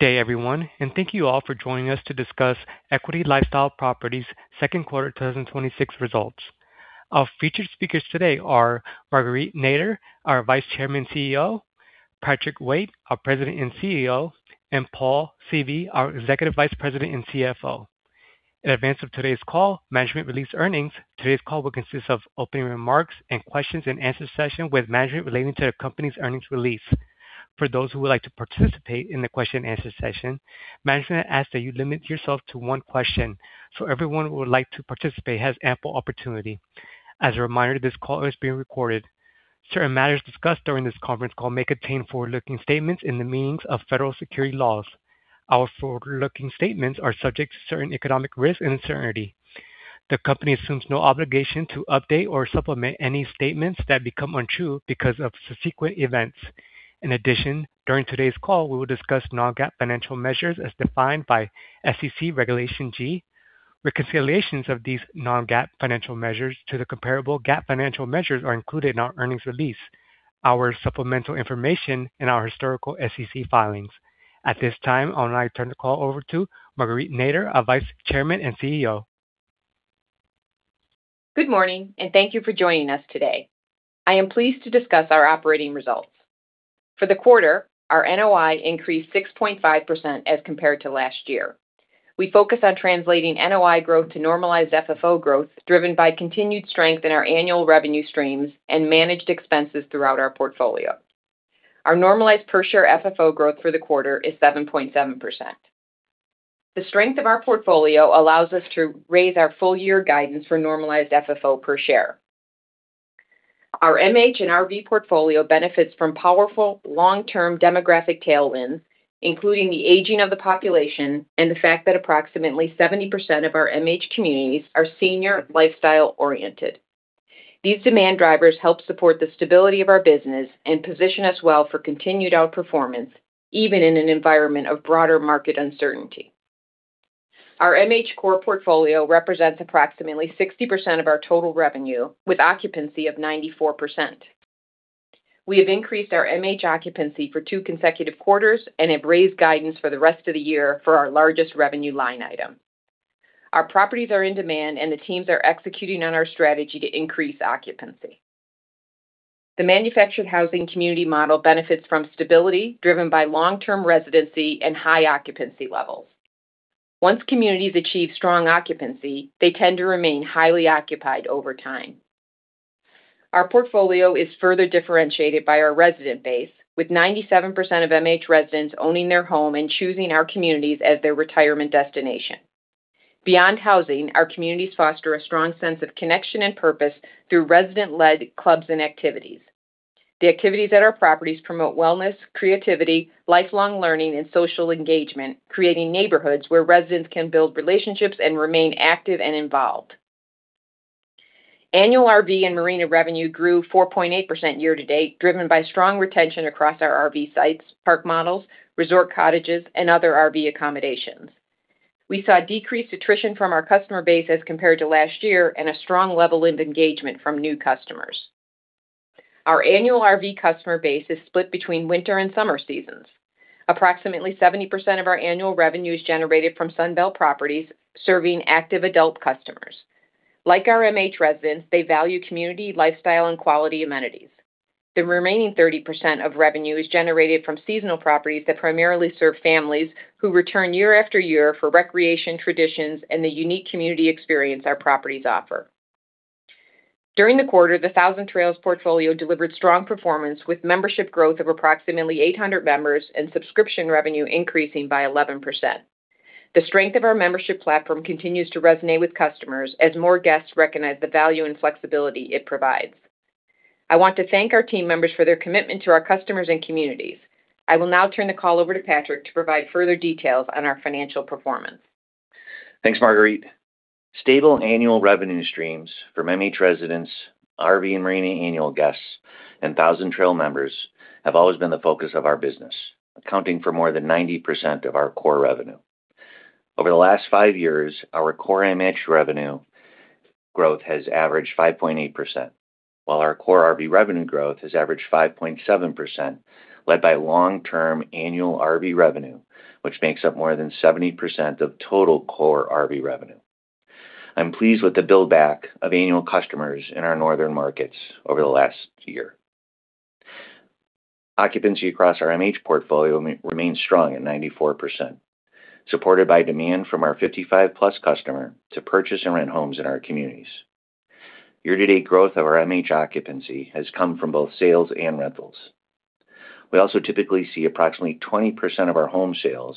Good day everyone, and thank you all for joining us to discuss Equity LifeStyle Properties second quarter 2026 results. Our featured speakers today are Marguerite Nader, our Vice Chairman, CEO, Patrick Waite, our President and COO, and Paul Seavey, our Executive Vice President and CFO. In advance of today's call, management released earnings. Today's call will consist of opening remarks and questions and answer session with management relating to the company's earnings release. For those who would like to participate in the question and answer session, management asks that you limit yourself to one question so everyone who would like to participate has ample opportunity. As a reminder, this call is being recorded. Certain matters discussed during this conference call may contain forward-looking statements in the meanings of Federal Securities laws. Our forward-looking statements are subject to certain economic risk and uncertainty. The company assumes no obligation to update or supplement any statements that become untrue because of subsequent events. In addition, during today's call, we will discuss non-GAAP financial measures as defined by SEC Regulation G. Reconciliations of these non-GAAP financial measures to the comparable GAAP financial measures are included in our earnings release, our supplemental information, and our historical SEC filings. At this time, I'll now turn the call over to Marguerite Nader, our Vice Chairman and CEO. Good morning. Thank you for joining us today. I am pleased to discuss our operating results. For the quarter, our NOI increased 6.5% as compared to last year. We focus on translating NOI growth to normalized FFO growth, driven by continued strength in our annual revenue streams and managed expenses throughout our portfolio. Our normalized per share FFO growth for the quarter is 7.7%. The strength of our portfolio allows us to raise our full year guidance for normalized FFO per share. Our MH and RV portfolio benefits from powerful long-term demographic tailwinds, including the aging of the population and the fact that approximately 70% of our MH communities are senior lifestyle oriented. These demand drivers help support the stability of our business and position us well for continued outperformance, even in an environment of broader market uncertainty. Our MH core portfolio represents approximately 60% of our total revenue, with occupancy of 94%. We have increased our MH occupancy for two consecutive quarters and have raised guidance for the rest of the year for our largest revenue line item. Our properties are in demand. The teams are executing on our strategy to increase occupancy. The manufactured housing community model benefits from stability driven by long-term residency and high occupancy levels. Once communities achieve strong occupancy, they tend to remain highly occupied over time. Our portfolio is further differentiated by our resident base, with 97% of MH residents owning their home and choosing our communities as their retirement destination. Beyond housing, our communities foster a strong sense of connection and purpose through resident-led clubs and activities. The activities at our properties promote wellness, creativity, lifelong learning, and social engagement, creating neighborhoods where residents can build relationships and remain active and involved. Annual RV and marina revenue grew 4.8% year to date, driven by strong retention across our RV sites, park models, resort cottages, and other RV accommodations. We saw decreased attrition from our customer base as compared to last year, and a strong level of engagement from new customers. Our annual RV customer base is split between winter and summer seasons. Approximately 70% of our annual revenue is generated from Sunbelt properties serving active adult customers. Like our MH residents, they value community lifestyle and quality amenities. The remaining 30% of revenue is generated from seasonal properties that primarily serve families who return year after year for recreation traditions and the unique community experience our properties offer. During the quarter, the Thousand Trails portfolio delivered strong performance with membership growth of approximately 800 members and subscription revenue increasing by 11%. The strength of our membership platform continues to resonate with customers as more guests recognize the value and flexibility it provides. I want to thank our team members for their commitment to our customers and communities. I will now turn the call over to Patrick to provide further details on our financial performance. Thanks, Marguerite. Stable annual revenue streams from MH residents, RV and marina annual guests, and Thousand Trails members have always been the focus of our business, accounting for more than 90% of our core revenue. Over the last five years, our core MH revenue growth has averaged 5.8%, while our core RV revenue growth has averaged 5.7%, led by long-term annual RV revenue, which makes up more than 70% of total core RV revenue. I'm pleased with the build-back of annual customers in our northern markets over the last year. Occupancy across our MH portfolio remains strong at 94%, supported by demand from our 55+ customer to purchase and rent homes in our communities. Year-to-date growth of our MH occupancy has come from both sales and rentals. We also typically see approximately 20% of our home sales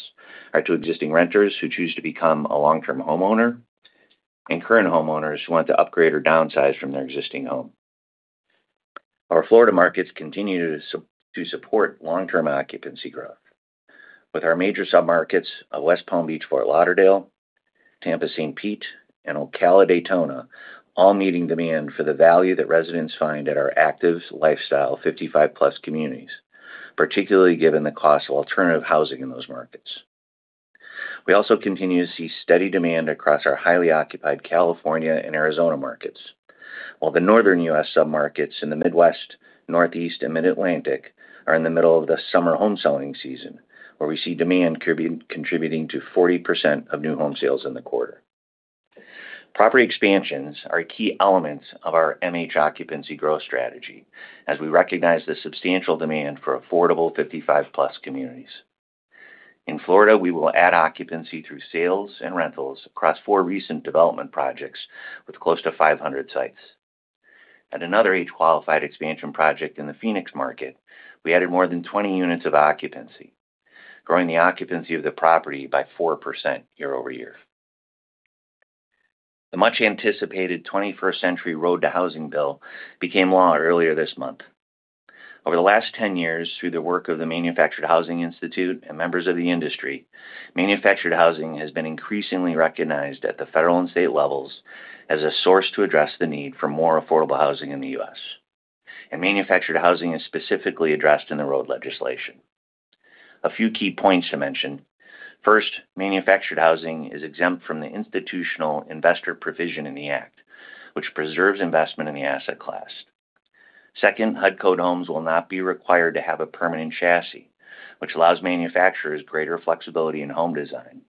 are to existing renters who choose to become a long-term homeowner, and current homeowners who want to upgrade or downsize from their existing home. Our Florida markets continue to support long-term occupancy growth. With our major submarkets of West Palm Beach, Fort Lauderdale, Tampa, St. Pete, and Ocala-Daytona all meeting demand for the value that residents find at our active lifestyle 55+ communities, particularly given the cost of alternative housing in those markets. We also continue to see steady demand across our highly occupied California and Arizona markets. While the northern U.S. sub-markets in the Midwest, Northeast, and Mid-Atlantic are in the middle of the summer home-selling season, where we see demand contributing to 40% of new home sales in the quarter. Property expansions are a key element of our MH occupancy growth strategy as we recognize the substantial demand for affordable 55+ communities. In Florida, we will add occupancy through sales and rentals across four recent development projects with close to 500 sites. At another age-qualified expansion project in the Phoenix market, we added more than 20 units of occupancy, growing the occupancy of the property by 4% year-over-year. The much-anticipated 21st Century ROAD to Housing bill became law earlier this month. Over the last 10 years, through the work of the Manufactured Housing Institute and members of the industry, manufactured housing has been increasingly recognized at the federal and state levels as a source to address the need for more affordable housing in the U.S. Manufactured housing is specifically addressed in the ROAD legislation. A few key points to mention. First, manufactured housing is exempt from the institutional investor provision in the Act, which preserves investment in the asset class. Second, HUD code homes will not be required to have a permanent chassis, which allows manufacturers greater flexibility in home design.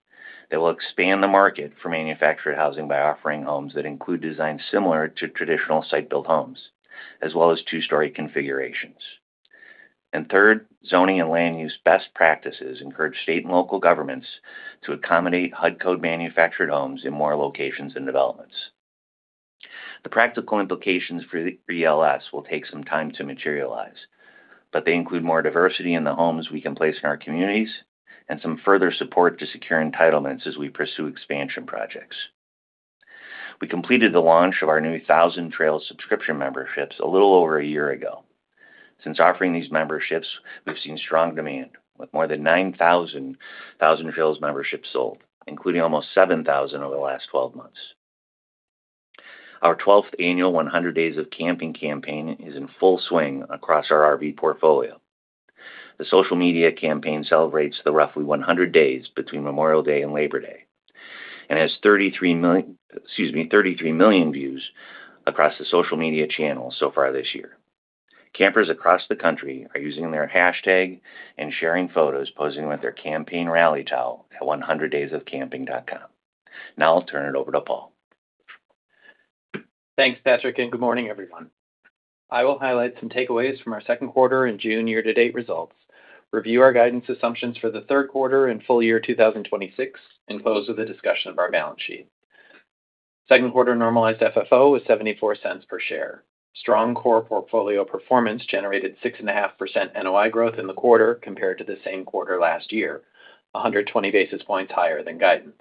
They will expand the market for manufactured housing by offering homes that include designs similar to traditional site-built homes, as well as two-story configurations. Third, zoning and land use best practices encourage state and local governments to accommodate HUD code manufactured homes in more locations and developments. The practical implications for ELS will take some time to materialize, but they include more diversity in the homes we can place in our communities and some further support to secure entitlements as we pursue expansion projects. We completed the launch of our new Thousand Trails subscription memberships a little over a year ago. Since offering these memberships, we've seen strong demand with more than 9,000 Thousand Trails memberships sold, including almost 7,000 over the last 12 months. Our 12th annual 100 Days of Camping campaign is in full swing across our RV portfolio. The social media campaign celebrates the roughly 100 days between Memorial Day and Labor Day and has 33 million views across the social media channels so far this year. Campers across the country are using their hashtag and sharing photos posing with their campaign rally towel at 100daysofcamping.com. Now I'll turn it over to Paul. Thanks, Patrick, and good morning, everyone. I will highlight some takeaways from our second quarter and June year-to-date results, review our guidance assumptions for the third quarter and full year 2026, and close with a discussion of our balance sheet. Second quarter normalized FFO was $0.74 per share. Strong core portfolio performance generated 6.5% NOI growth in the quarter compared to the same quarter last year, 120 basis points higher than guidance.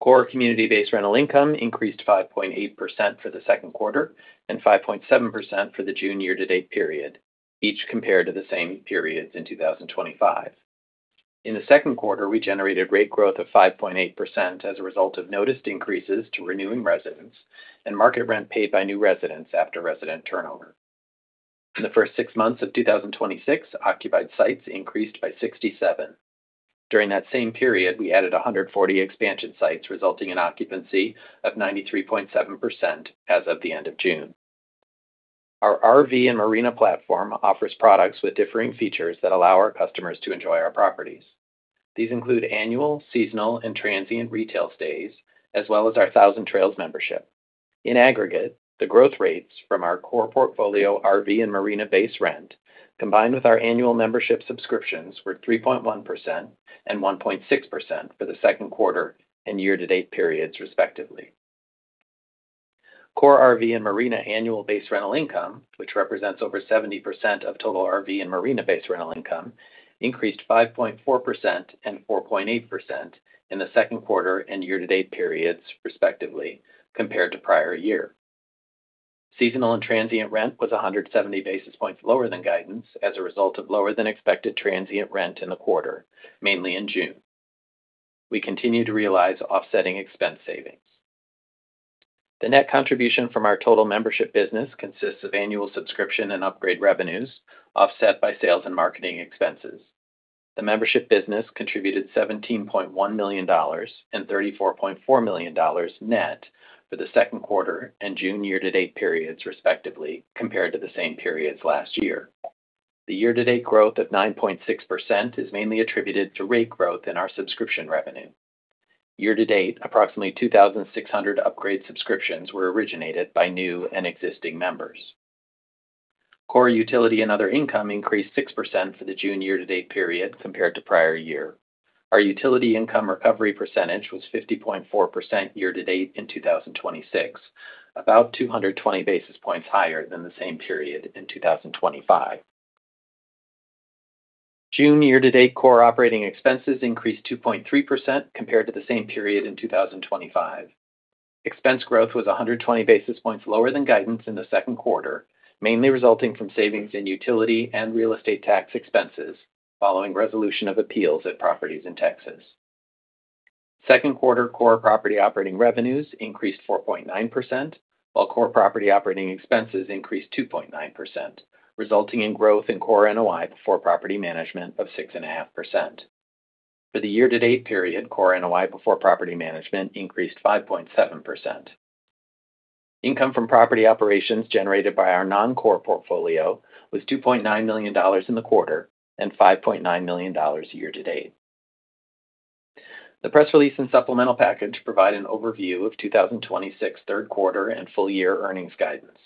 Core community-based rental income increased 5.8% for the second quarter and 5.7% for the June year-to-date period, each compared to the same periods in 2025. In the second quarter, we generated rate growth of 5.8% as a result of noticed increases to renewing residents and market rent paid by new residents after resident turnover. For the first six months of 2026, occupied sites increased by 67. During that same period, we added 140 expansion sites, resulting in occupancy of 93.7% as of the end of June. Our RV and marina platform offers products with differing features that allow our customers to enjoy our properties. These include annual, seasonal, and transient retail stays, as well as our Thousand Trails membership. In aggregate, the growth rates from our core portfolio RV and marina base rent, combined with our annual membership subscriptions, were 3.1% and 1.6% for the second quarter and year-to-date periods, respectively. Core RV and marina annual base rental income, which represents over 70% of total RV and marina-based rental income, increased 5.4% and 4.8% in the second quarter and year-to-date periods, respectively, compared to prior year. Seasonal and transient rent was 170 basis points lower than guidance as a result of lower-than-expected transient rent in the quarter, mainly in June. We continue to realize offsetting expense savings. The net contribution from our total membership business consists of annual subscription and upgrade revenues offset by sales and marketing expenses. The membership business contributed $17.1 million and $34.4 million net for the second quarter and June year-to-date periods, respectively, compared to the same periods last year. The year-to-date growth of 9.6% is mainly attributed to rate growth in our subscription revenue. Year-to-date, approximately 2,600 upgrade subscriptions were originated by new and existing members. Core utility and other income increased 6% for the June year-to-date period compared to prior year. Our utility income recovery percentage was 50.4% year-to-date in 2026, about 220 basis points higher than the same period in 2025. June year-to-date core operating expenses increased 2.3% compared to the same period in 2025. Expense growth was 120 basis points lower than guidance in the second quarter, mainly resulting from savings in utility and real estate tax expenses following resolution of appeals at properties in Texas. Second quarter core property operating revenues increased 4.9%, while core property operating expenses increased 2.9%, resulting in growth in core NOI before property management of 6.5%. For the year-to-date period, core NOI before property management increased 5.7%. Income from property operations generated by our non-core portfolio was $2.9 million in the quarter and $5.9 million year-to-date. The press release and supplemental package provide an overview of 2026 third quarter and full year earnings guidance.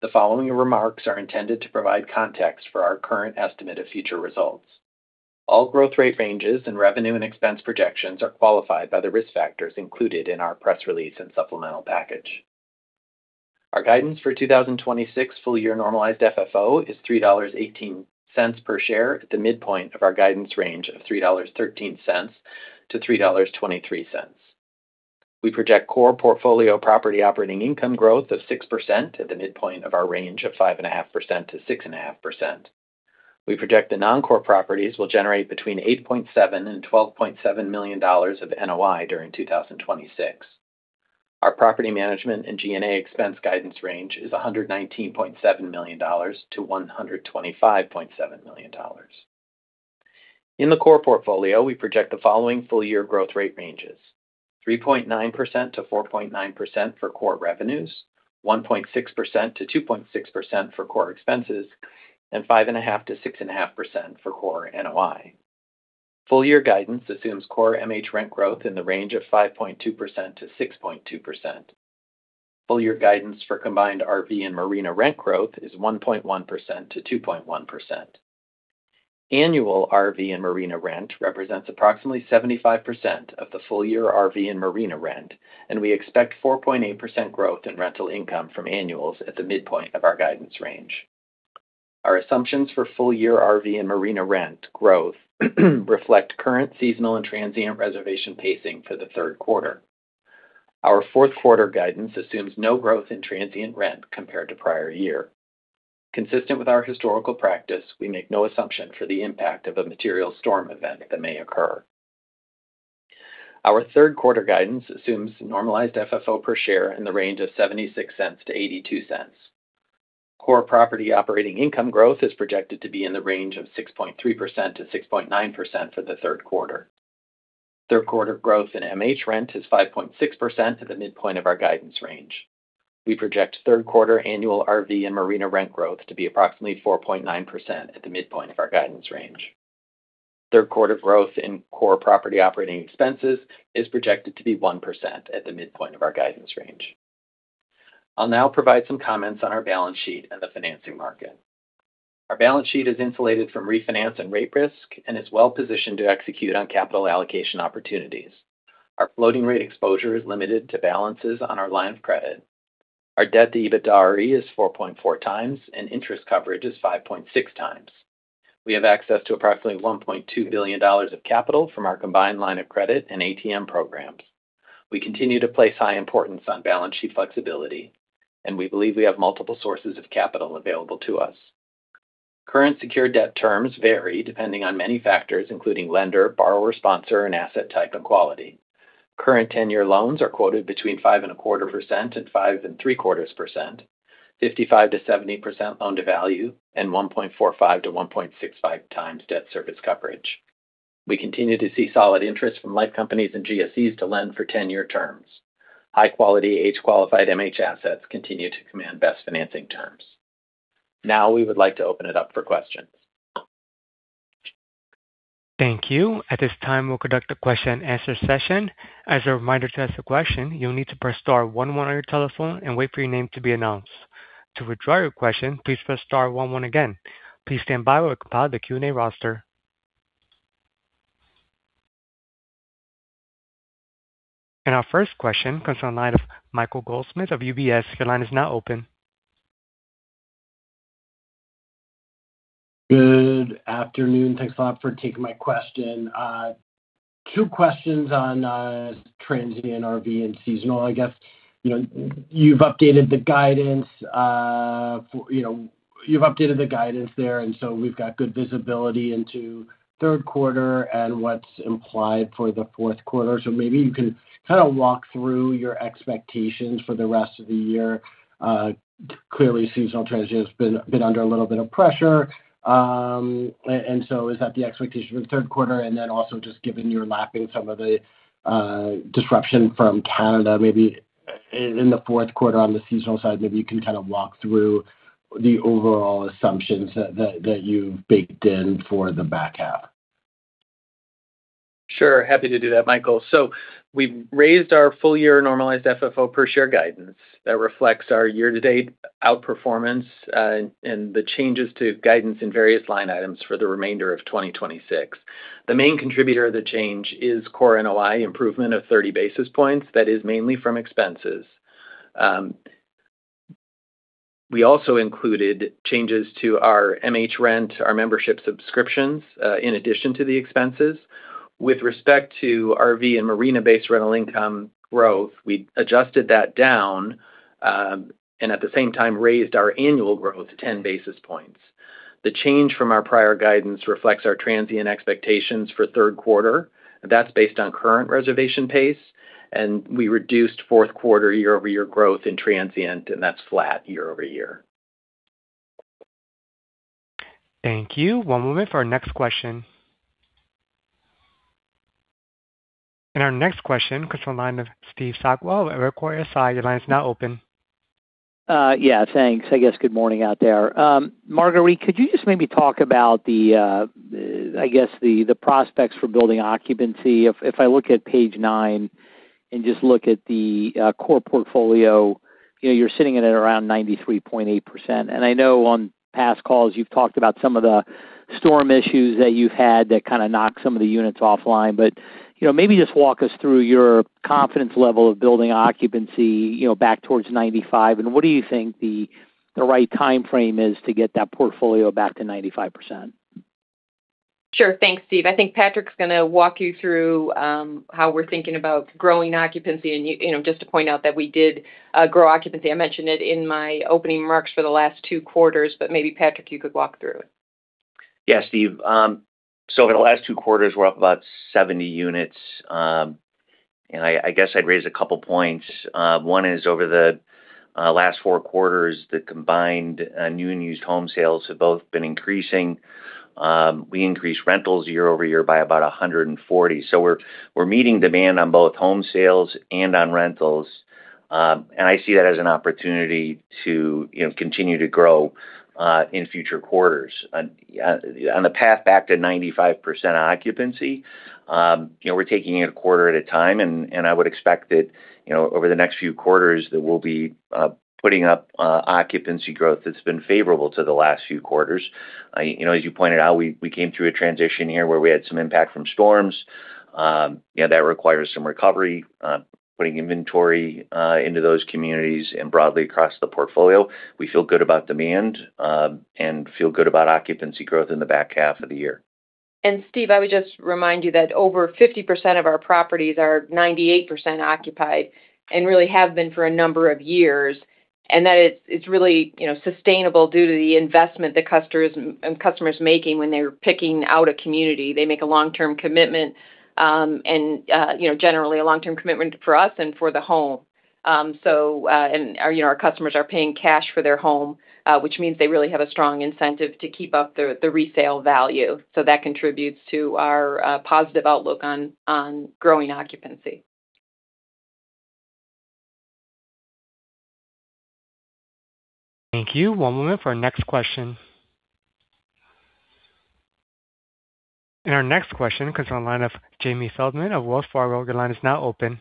The following remarks are intended to provide context for our current estimate of future results. All growth rate ranges and revenue and expense projections are qualified by the risk factors included in our press release and supplemental package. Our guidance for 2026 full year normalized FFO is $3.18 per share at the midpoint of our guidance range of $3.13-$3.23. We project core portfolio property operating income growth of 6% at the midpoint of our range of 5.5%-6.5%. We project the non-core properties will generate between $8.7 million-$12.7 million of NOI during 2026. Our property management and G&A expense guidance range is $119.7 million-$125.7 million. In the core portfolio, we project the following full year growth rate ranges: 3.9%-4.9% for core revenues, 1.6%-2.6% for core expenses, and 5.5%-6.5% for core NOI. Full year guidance assumes core MH rent growth in the range of 5.2%-6.2%. Full year guidance for combined RV and marina rent growth is 1.1%-2.1%. Annual RV and marina rent represents approximately 75% of the full year RV and marina rent, we expect 4.8% growth in rental income from annuals at the midpoint of our guidance range. Our assumptions for full year RV and marina rent growth reflect current seasonal and transient reservation pacing for the third quarter. Our fourth quarter guidance assumes no growth in transient rent compared to prior year. Consistent with our historical practice, we make no assumption for the impact of a material storm event that may occur. Our third quarter guidance assumes normalized FFO per share in the range of $0.76-$0.82. Core property operating income growth is projected to be in the range of 6.3%-6.9% for the third quarter. Third quarter growth in MH rent is 5.6% at the midpoint of our guidance range. We project third quarter annual RV and marina rent growth to be approximately 4.9% at the midpoint of our guidance range. Third quarter growth in core property operating expenses is projected to be 1% at the midpoint of our guidance range. I'll now provide some comments on our balance sheet and the financing market. Our balance sheet is insulated from refinance and rate risk and is well-positioned to execute on capital allocation opportunities. Our floating rate exposure is limited to balances on our line of credit. Our debt to EBITDAre is 4.4 times, and interest coverage is 5.6 times. We have access to approximately $1.2 billion of capital from our combined line of credit and ATM programs. We continue to place high importance on balance sheet flexibility, and we believe we have multiple sources of capital available to us. Current secured debt terms vary depending on many factors, including lender, borrower sponsor, and asset type and quality. Current tenure loans are quoted between 5.25% and 5.75%, 55%-70% loan to value, and 1.45-1.65x debt service coverage. We continue to see solid interest from life companies and GSEs to lend for tenure terms. High quality, age-qualified MH assets continue to command best financing terms. Now we would like to open it up for questions. Thank you. At this time, we'll conduct a question and answer session. As a reminder to ask a question, you'll need to press star one one on your telephone and wait for your name to be announced. To withdraw your question, please press star one one again. Please stand by while we compile the Q&A roster. Our first question comes on the line of Michael Goldsmith of UBS. Your line is now open. Good afternoon. Thanks a lot for taking my question. Two questions on transient RV and seasonal, I guess. You've updated the guidance there, so we've got good visibility into third quarter and what's implied for the fourth quarter. Maybe you can kind of walk through your expectations for the rest of the year. Clearly, seasonal transient has been under a little bit of pressure. Is that the expectation for the third quarter? Also just given you're lapping some of the disruption from Canada, maybe in the fourth quarter on the seasonal side, maybe you can kind of walk through the overall assumptions that you've baked in for the back half. Sure. Happy to do that, Michael. We've raised our full year normalized FFO per share guidance that reflects our year-to-date outperformance and the changes to guidance in various line items for the remainder of 2026. The main contributor of the change is core NOI improvement of 30 basis points. That is mainly from expenses. We also included changes to our MH rent, our membership subscriptions, in addition to the expenses. With respect to RV and marina-based rental income growth, we adjusted that down, at the same time raised our annual growth 10 basis points. The change from our prior guidance reflects our transient expectations for third quarter. That's based on current reservation pace, we reduced fourth quarter year-over-year growth in transient, that's flat year-over-year. Thank you. One moment for our next question. Our next question comes from the line of Steve Sakwa of Evercore ISI. Your line is now open. Yeah, thanks. I guess good morning out there. Marguerite, could you just maybe talk about the prospects for building occupancy? If I look at page nine and just look at the core portfolio, you're sitting at around 93.8%. I know on past calls you've talked about some of the storm issues that you've had that kind of knocked some of the units offline. Maybe just walk us through your confidence level of building occupancy back towards 95, and what do you think the right timeframe is to get that portfolio back to 95%? Thanks, Steve. I think Patrick's going to walk you through how we're thinking about growing occupancy. Just to point out that we did grow occupancy. I mentioned it in my opening remarks for the last two quarters, maybe Patrick, you could walk through it. Yeah, Steve. Over the last two quarters, we're up about 70 units. I guess I'd raise a couple points. One is over the last four quarters, the combined new and used home sales have both been increasing. We increased rentals year-over-year by about 140. We're meeting demand on both home sales and on rentals. I see that as an opportunity to continue to grow in future quarters. On the path back to 95% occupancy, we're taking it a quarter at a time, I would expect that over the next few quarters, that we'll be putting up occupancy growth that's been favorable to the last few quarters. As you pointed out, we came through a transition here where we had some impact from storms. That requires some recovery, putting inventory into those communities and broadly across the portfolio. We feel good about demand, and feel good about occupancy growth in the back half of the year. Steve, I would just remind you that over 50% of our properties are 98% occupied and really have been for a number of years. That it's really sustainable due to the investment that customers making when they're picking out a community. They make a long-term commitment, and generally a long-term commitment for us and for the home. Our customers are paying cash for their home, which means they really have a strong incentive to keep up the resale value. That contributes to our positive outlook on growing occupancy. Thank you. One moment for our next question. Our next question comes from the line of Jamie Feldman of Wells Fargo. Your line is now open.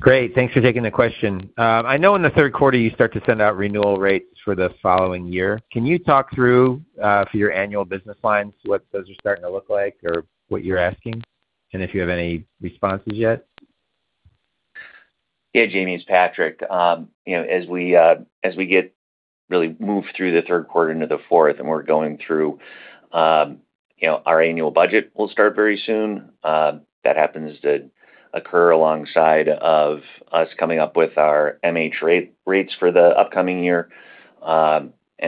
Great. Thanks for taking the question. I know in the third quarter you start to send out renewal rates for the following year. Can you talk through, for your annual business lines, what those are starting to look like or what you're asking, and if you have any responses yet? Yeah, Jamie, it's Patrick. As we get really moved through the third quarter into the fourth, and we're going through our annual budget will start very soon. That happens to occur alongside of us coming up with our MH rates for the upcoming year.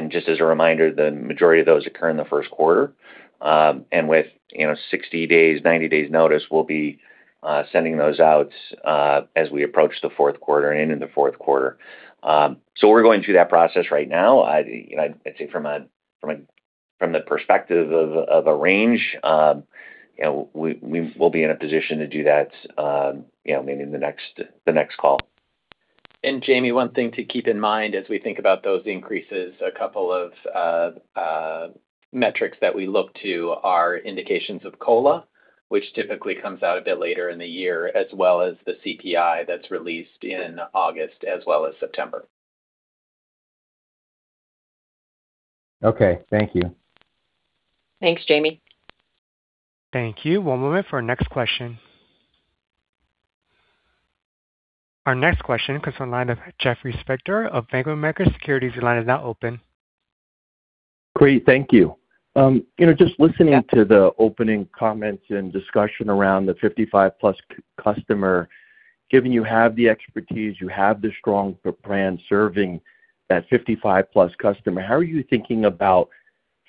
Just as a reminder, the majority of those occur in the first quarter. With 60 days, 90 days notice, we'll be sending those out as we approach the fourth quarter and into the fourth quarter. We're going through that process right now. I'd say from the perspective of a range, we'll be in a position to do that maybe in the next call. Jamie, one thing to keep in mind as we think about those increases, a couple of metrics that we look to are indications of COLA, which typically comes out a bit later in the year, as well as the CPI that's released in August as well as September. Okay. Thank you. Thanks, Jamie. Thank you. One moment for our next question. Our next question comes from the line of Jeffrey Spector of Bank of America Securities. Your line is now open. Great. Thank you. Just listening to the opening comments and discussion around the 55+ customer, given you have the expertise, you have the strong brand serving that 55+ customer, how are you thinking about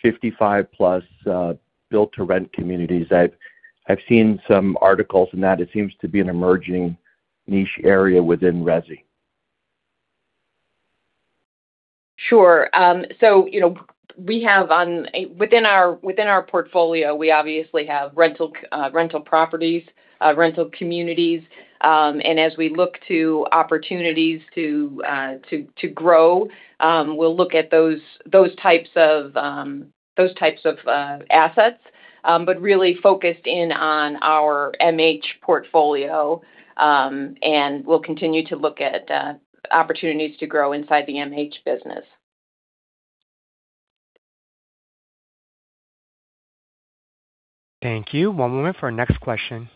55+ build-to-rent communities? I've seen some articles, and that it seems to be an emerging niche area within resi. Sure. Within our portfolio, we obviously have rental properties, rental communities. As we look to opportunities to grow, we'll look at those types of assets, but really focused in on our MH portfolio. We'll continue to look at opportunities to grow inside the MH business. Thank you. One moment for our next question.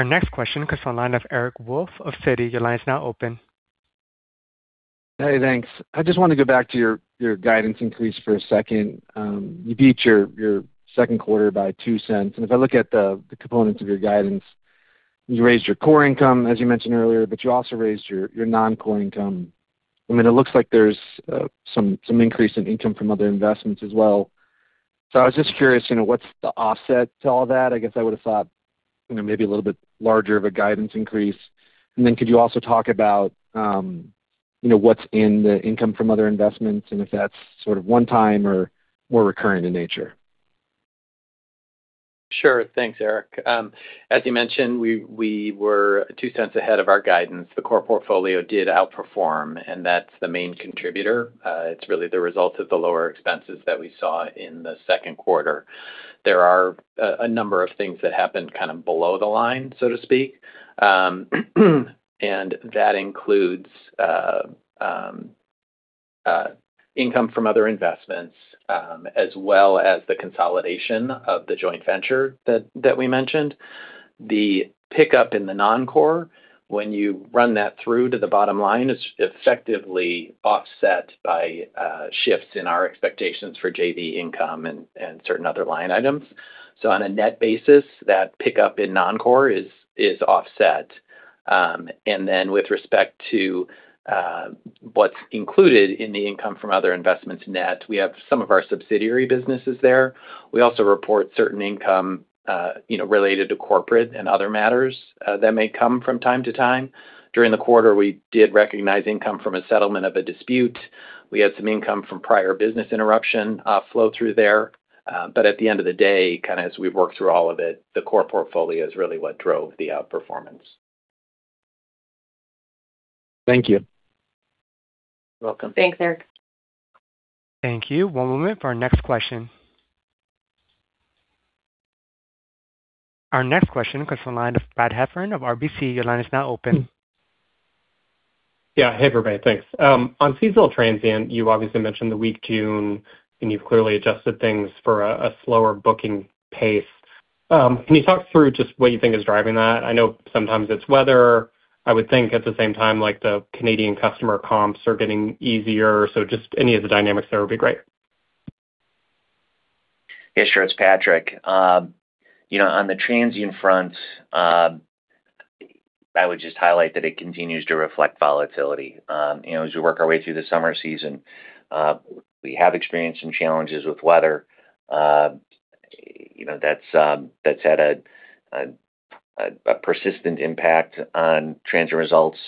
Our next question comes from the line of Eric Wolfe of Citi. Your line is now open. Hey, thanks. I just want to go back to your guidance increase for a second. You beat your second quarter by $0.02. If I look at the components of your guidance. You raised your core income, as you mentioned earlier, but you also raised your non-core income. It looks like there's some increase in income from other investments as well. I was just curious, what's the offset to all that? I guess I would've thought maybe a little bit larger of a guidance increase. Could you also talk about what's in the income from other investments and if that's one time or more recurrent in nature? Sure. Thanks, Eric. As you mentioned, we were $0.02 ahead of our guidance. The core portfolio did outperform, and that's the main contributor. It's really the result of the lower expenses that we saw in the second quarter. There are a number of things that happened below the line, so to speak. That includes income from other investments, as well as the consolidation of the joint venture that we mentioned. The pickup in the non-core, when you run that through to the bottom line, is effectively offset by shifts in our expectations for JV income and certain other line items. On a net basis, that pickup in non-core is offset. Then with respect to what's included in the income from other investments net, we have some of our subsidiary businesses there. We also report certain income related to corporate and other matters that may come from time to time. During the quarter, we did recognize income from a settlement of a dispute. We had some income from prior business interruption flow through there. At the end of the day, as we've worked through all of it, the core portfolio is really what drove the outperformance. Thank you. You're welcome. Thanks, Eric. Thank you. One moment for our next question. Our next question comes from the line of Brad Heffern of RBC. Your line is now open. Yeah. Hey, everybody. Thanks. On seasonal transient, you obviously mentioned the weak June, and you've clearly adjusted things for a slower booking pace. Can you talk through just what you think is driving that? I know sometimes it's weather. I would think at the same time, the Canadian customer comps are getting easier. Just any of the dynamics there would be great. Yeah, sure. It's Patrick. On the transient front, I would just highlight that it continues to reflect volatility. As we work our way through the summer season, we have experienced some challenges with weather. That's had a persistent impact on transient results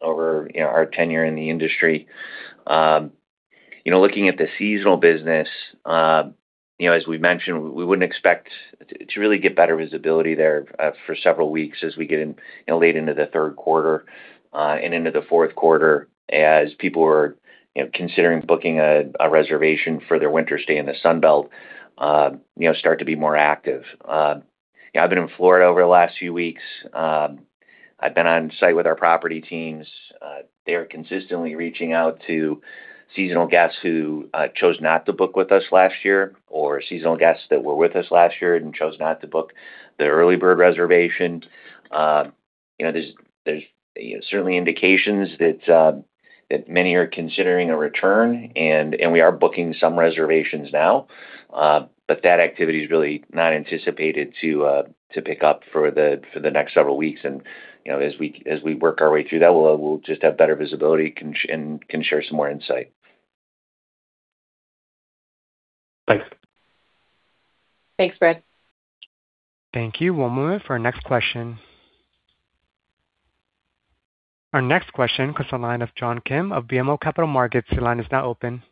over our tenure in the industry. Looking at the seasonal business, as we've mentioned, we wouldn't expect to really get better visibility there for several weeks as we get in late into the third quarter, and into the fourth quarter as people are considering booking a reservation for their winter stay in the Sun Belt, start to be more active. I've been in Florida over the last few weeks. I've been on site with our property teams. They are consistently reaching out to seasonal guests who chose not to book with us last year, seasonal guests that were with us last year and chose not to book their early bird reservation. There's certainly indications that many are considering a return, we are booking some reservations now. That activity is really not anticipated to pick up for the next several weeks. As we work our way through that, we'll just have better visibility, and can share some more insight. Thanks. Thanks, Brad. Thank you. One moment for our next question. Our next question comes from the line of John Kim of BMO Capital Markets. Your line is now open.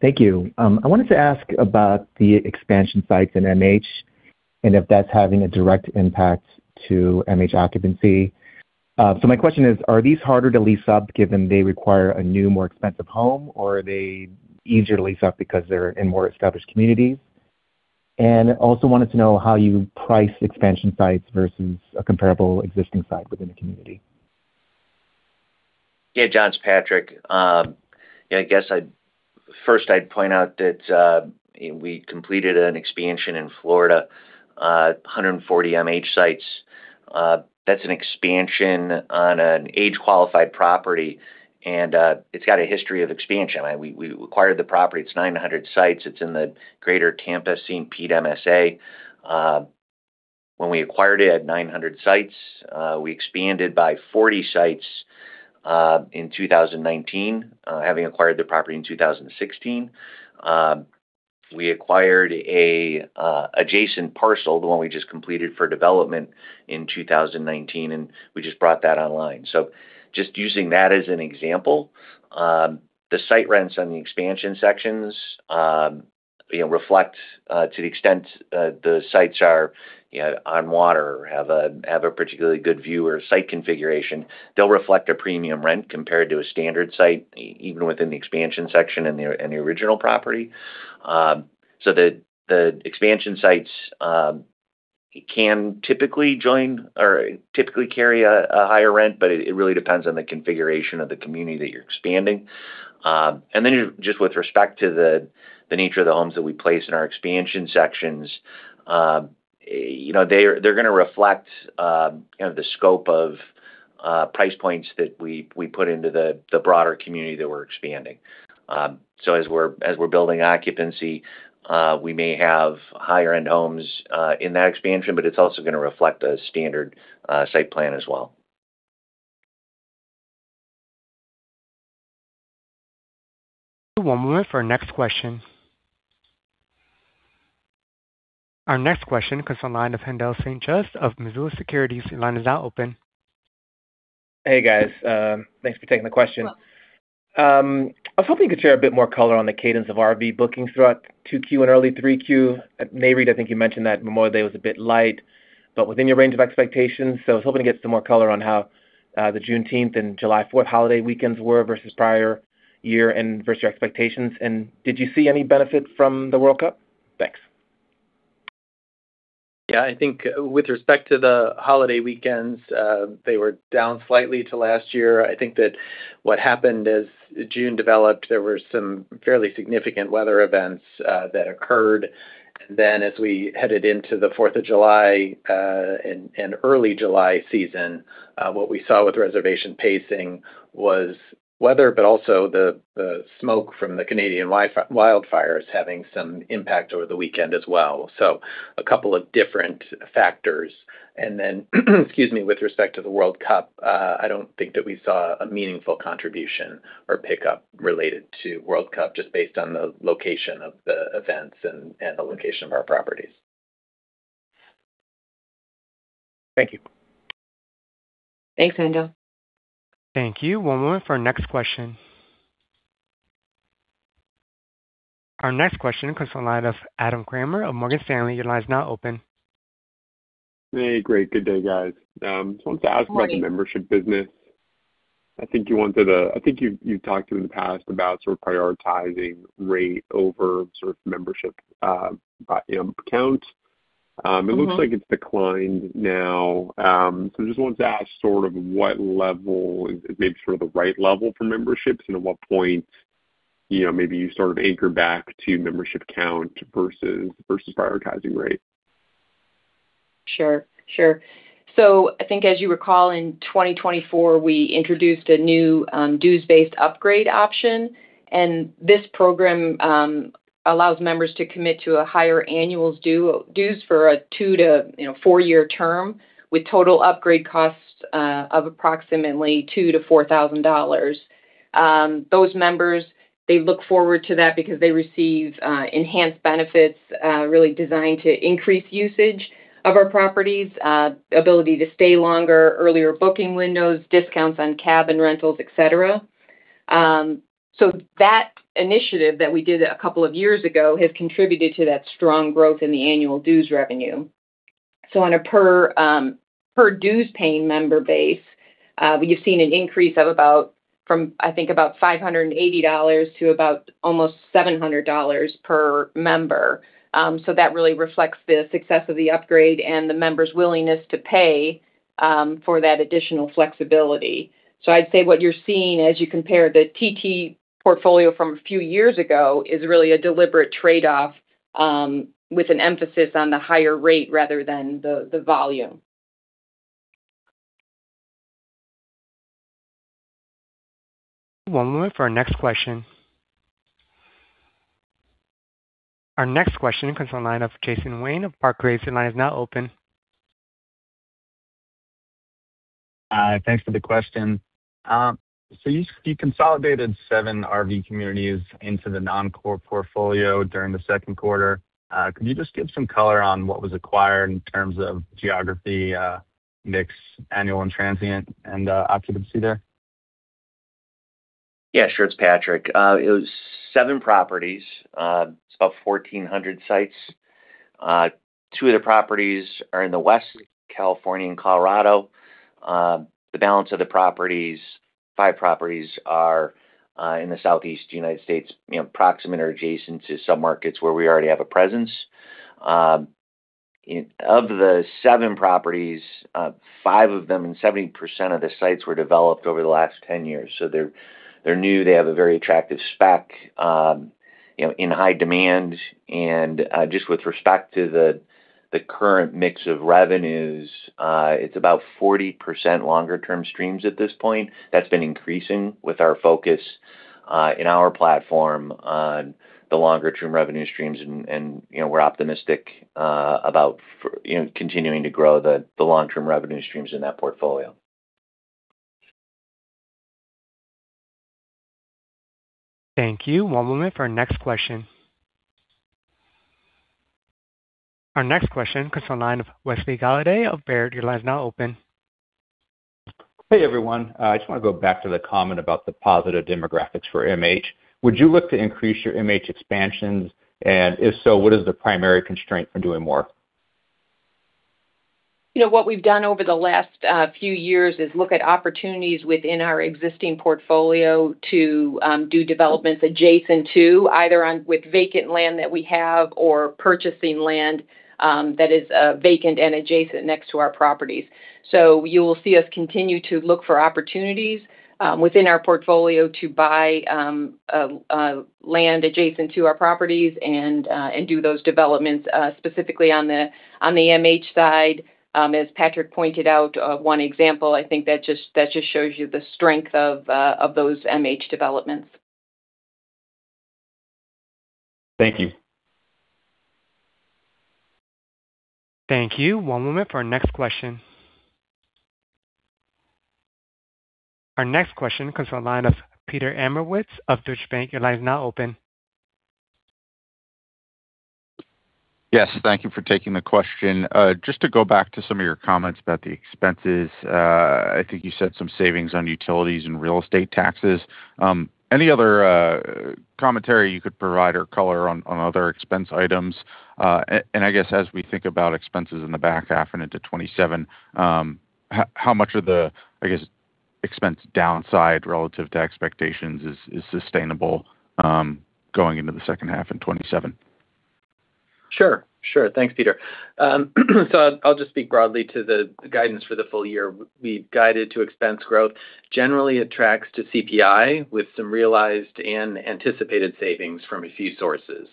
Thank you. I wanted to ask about the expansion sites in MH, if that's having a direct impact to MH occupancy. My question is, are these harder to lease up given they require a new, more expensive home, are they easier to lease up because they're in more established communities? Also wanted to know how you price expansion sites versus a comparable existing site within a community. Yeah, John. It's Patrick. I guess, first I'd point out that we completed an expansion in Florida, 140 MH sites. That's an expansion on an age-qualified property, and it's got a history of expansion. We acquired the property. It's 900 sites. It's in the Greater Tampa-St. Pete MSA. When we acquired it at 900 sites, we expanded by 40 sites in 2019, having acquired the property in 2016. We acquired an adjacent parcel, the one we just completed for development, in 2019, and we just brought that online. Just using that as an example, the site rents on the expansion sections reflect to the extent the sites are on water or have a particularly good view or site configuration. They'll reflect a premium rent compared to a standard site, even within the expansion section and the original property. The expansion sites can typically carry a higher rent, but it really depends on the configuration of the community that you're expanding. Just with respect to the nature of the homes that we place in our expansion sections, they're going to reflect the scope of price points that we put into the broader community that we're expanding. As we're building occupancy, we may have higher-end homes in that expansion, but it's also going to reflect a standard site plan as well. One moment for our next question. Our next question comes from the line of Haendel St. Juste of Mizuho Securities. Your line is now open. Hey, guys. Thanks for taking the question. Welcome. I was hoping you could share a bit more color on the cadence of RV bookings throughout 2Q and early 3Q. At, I think you mentioned that Memorial Day was a bit light, but within your range of expectations. I was hoping to get some more color on how the Juneteenth and July 4th holiday weekends were versus prior year and versus your expectations. Did you see any benefit from the World Cup? Thanks. I think with respect to the holiday weekends, they were down slightly to last year. I think that what happened as June developed, there were some fairly significant weather events that occurred. Then as we headed into the Fourth of July and early July season, what we saw with reservation pacing was weather, but also the smoke from the Canadian wildfires having some impact over the weekend as well. A couple of different factors. Then excuse me, with respect to the World Cup, I don't think that we saw a meaningful contribution or pickup related to World Cup, just based on the location of the events and the location of our properties. Thank you. Thanks, Haendel. Thank you. One moment for our next question. Our next question comes from the line of Adam Kramer of Morgan Stanley. Your line is now open. Hey, great. Good day, guys. Just wanted to ask. Morning about your membership business. I think you've talked in the past about sort of prioritizing rate over sort of membership count. It looks like it's declined now. Just wanted to ask sort of what level is maybe sort of the right level for memberships, and at what point maybe you sort of anchor back to membership count versus prioritizing rate. Sure. I think as you recall, in 2024, we introduced a new dues-based upgrade option, and this program allows members to commit to a higher annual dues for a two to four-year term, with total upgrade costs of approximately $2,000-$4,000. Those members, they look forward to that because they receive enhanced benefits really designed to increase usage of our properties, ability to stay longer, earlier booking windows, discounts on cabin rentals, et cetera. That initiative that we did a couple of years ago has contributed to that strong growth in the annual dues revenue. On a per dues-paying member base, we've seen an increase of about from, I think about $580 to about almost $700 per member. That really reflects the success of the upgrade and the members' willingness to pay for that additional flexibility. I'd say what you're seeing as you compare the TT portfolio from a few years ago is really a deliberate trade-off with an emphasis on the higher rate rather than the volume. One moment for our next question. Our next question comes from the line of Jason Wayne of Barclays. Your line is now open. Thanks for the question. You consolidated seven RV communities into the non-core portfolio during the second quarter. Could you just give some color on what was acquired in terms of geography, mix, annual and transient, and occupancy there? Yeah, sure. It's Patrick. It was seven properties. It's about 1,400 sites. Two of the properties are in the West, California and Colorado. The balance of the properties, five properties are in the Southeast U.S., proximate or adjacent to some markets where we already have a presence. Of the seven properties, five of them and 70% of the sites were developed over the last 10 years. They're new. They have a very attractive spec in high demand. Just with respect to the current mix of revenues, it's about 40% longer-term streams at this point. That's been increasing with our focus in our platform on the longer-term revenue streams, and we're optimistic about continuing to grow the long-term revenue streams in that portfolio. Thank you. One moment for our next question. Our next question comes from the line of Wesley Golladay of Baird. Your line is now open. Hey, everyone. I just want to go back to the comment about the positive demographics for MH. Would you look to increase your MH expansions? If so, what is the primary constraint for doing more? What we've done over the last few years is look at opportunities within our existing portfolio to do developments adjacent to either with vacant land that we have or purchasing land that is vacant and adjacent next to our properties. You will see us continue to look for opportunities within our portfolio to buy land adjacent to our properties and do those developments specifically on the MH side. As Patrick pointed out, one example, I think that just shows you the strength of those MH developments. Thank you. Thank you. One moment for our next question. Our next question comes from the line of Peter Abramowitz of Deutsche Bank. Your line is now open. Yes, thank you for taking the question. Just to go back to some of your comments about the expenses. I think you said some savings on utilities and real estate taxes. Any other commentary you could provide or color on other expense items? I guess as we think about expenses in the back half and into 2027, how much of the, I guess, expense downside relative to expectations is sustainable, going into the second half in 2027? Sure. Thanks, Peter. I'll just speak broadly to the guidance for the full year. We've guided to expense growth, generally attracts to CPI with some realized and anticipated savings from a few sources.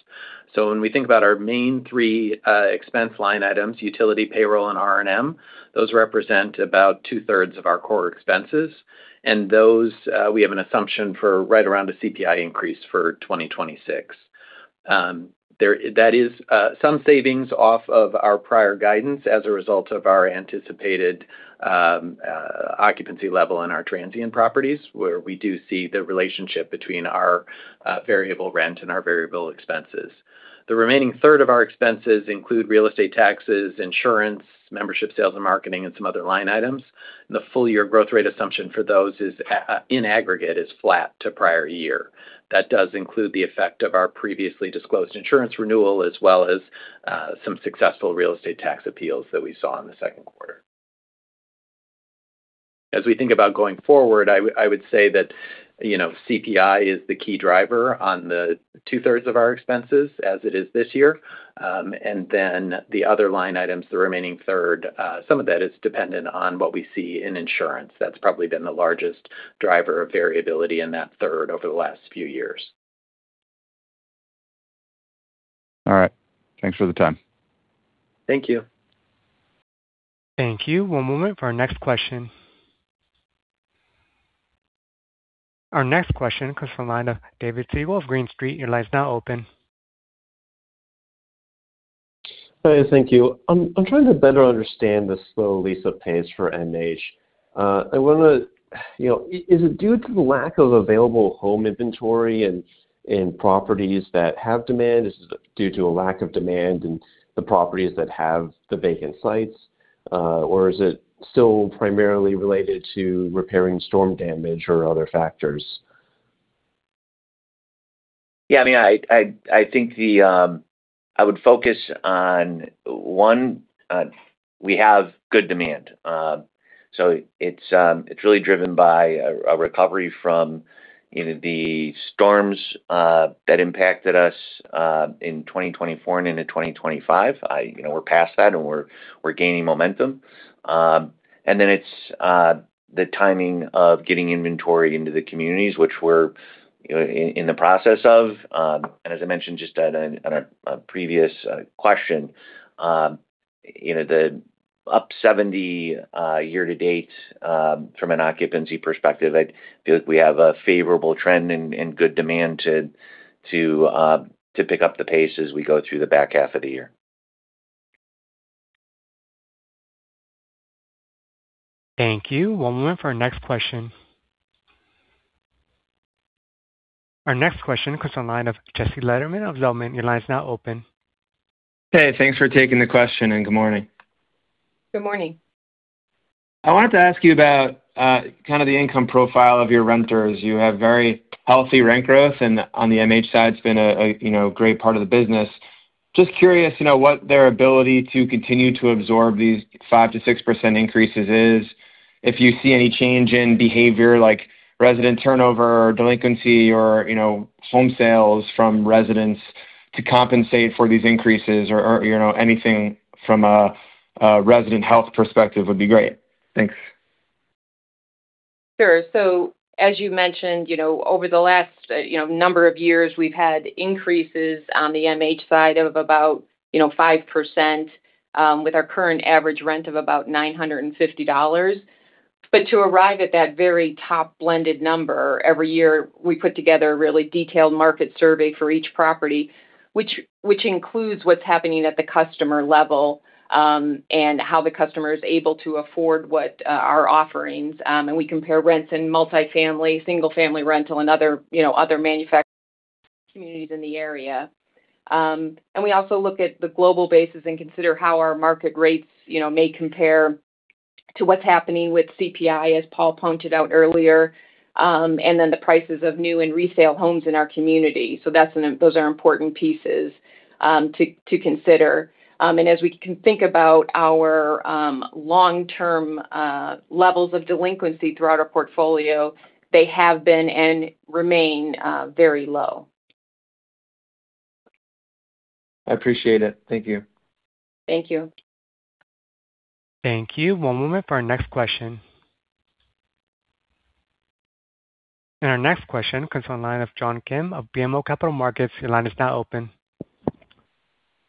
When we think about our main three expense line items, utility, payroll, and R&M, those represent about 2/3 of our core expenses. And those, we have an assumption for right around a CPI increase for 2026. That is some savings off of our prior guidance as a result of our anticipated occupancy level in our transient properties, where we do see the relationship between our variable rent and our variable expenses. The remaining third of our expenses include real estate taxes, insurance, membership, sales and marketing, and some other line items. The full year growth rate assumption for those in aggregate is flat to prior year. That does include the effect of our previously disclosed insurance renewal, as well as some successful real estate tax appeals that we saw in the second quarter. As we think about going forward, I would say that CPI is the key driver on the 2/3 of our expenses as it is this year. The other line items, the remaining third, some of that is dependent on what we see in insurance. That's probably been the largest driver of variability in that third over the last few years. All right. Thanks for the time. Thank you. Thank you. One moment for our next question. Our next question comes from the line of David Segall of Green Street. Your line is now open. Hi. Thank you. I'm trying to better understand the slow lease-up pace for MH. Is it due to the lack of available home inventory in properties that have demand? Is it due to a lack of demand in the properties that have the vacant sites? Or is it still primarily related to repairing storm damage or other factors? Yeah. I think I would focus on one, we have good demand. It's really driven by a recovery from the storms that impacted us in 2024 and into 2025. We're past that, we're gaining momentum. It's the timing of getting inventory into the communities, which we're in the process of. As I mentioned just on a previous question, the up 70 year to date from an occupancy perspective, I feel like we have a favorable trend and good demand to pick up the pace as we go through the back half of the year. Thank you. One moment for our next question. Our next question comes from the line of Jesse Lederman of Zelman. Your line is now open. Hey, thanks for taking the question, and good morning. Good morning. I wanted to ask you about kind of the income profile of your renters. You have very healthy rent growth, and on the MH side, it's been a great part of the business. Just curious what their ability to continue to absorb these 5%-6% increases is. If you see any change in behavior like resident turnover, delinquency, or home sales from residents to compensate for these increases or anything from a resident health perspective would be great. Thanks. Sure. As you mentioned, over the last number of years, we've had increases on the MH side of about 5%, with our current average rent of about $950. To arrive at that very top blended number, every year we put together a really detailed market survey for each property, which includes what's happening at the customer level, and how the customer is able to afford our offerings. We compare rents in multi-family, single-family rental, and other manufactured communities in the area. We also look at the global basis and consider how our market rates may compare to what's happening with CPI, as Paul pointed out earlier, and then the prices of new and resale homes in our community. Those are important pieces to consider. As we can think about our long-term levels of delinquency throughout our portfolio, they have been and remain very low. I appreciate it. Thank you. Thank you. Thank you. One moment for our next question. Our next question comes from the line of John Kim of BMO Capital Markets. Your line is now open.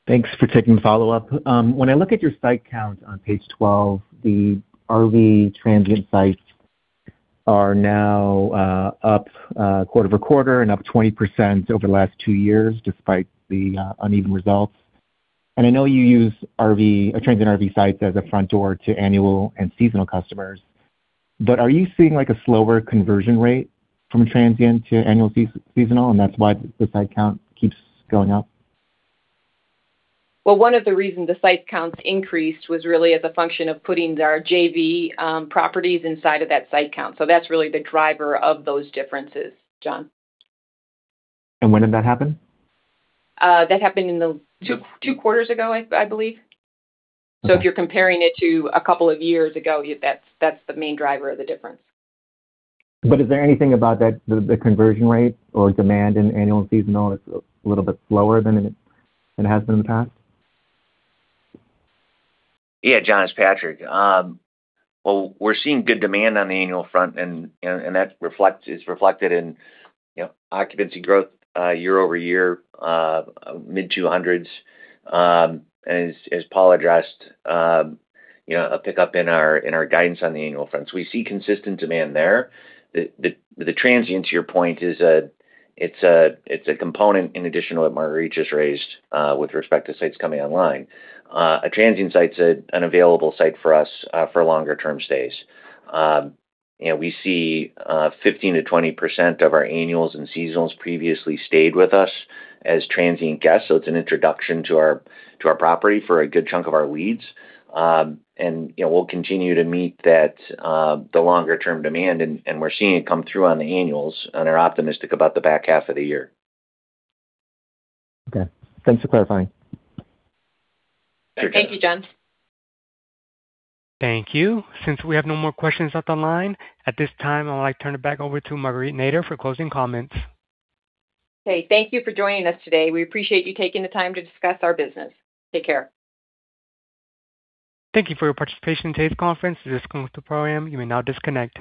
Thanks for taking the follow-up. When I look at your site count on page 12, the RV transient sites are now up quarter-over-quarter and up 20% over the last two years despite the uneven results. I know you use transient RV sites as a front door to annual and seasonal customers, but are you seeing a slower conversion rate from a transient to annual seasonal, and that's why the site count keeps going up? Well, one of the reasons the site counts increased was really as a function of putting our JV properties inside of that site count. That's really the driver of those differences, John. When did that happen? That happened two quarters ago, I believe. If you're comparing it to a couple of years ago, that's the main driver of the difference. Is there anything about the conversion rate or demand in annual and seasonal that's a little bit slower than it has been in the past? Yeah, John, it's Patrick. Well, we're seeing good demand on the annual front, and that is reflected in occupancy growth year-over-year, mid 200s, and as Paul addressed, a pickup in our guidance on the annual front. We see consistent demand there. The transient, to your point, it's a component in addition to what Marguerite just raised with respect to sites coming online. A transient site's an available site for us for longer term stays. We see 15%-20% of our annuals and seasonals previously stayed with us as transient guests, so it's an introduction to our property for a good chunk of our leads. We'll continue to meet the longer-term demand, and we're seeing it come through on the annuals and are optimistic about the back half of the year. Okay. Thanks for clarifying. Thank you, John. Thank you. Since we have no more questions off the line, at this time, I would like to turn it back over to Marguerite Nader for closing comments. Okay. Thank you for joining us today. We appreciate you taking the time to discuss our business. Take care. Thank you for your participation in today's conference. This concludes the program. You may now disconnect.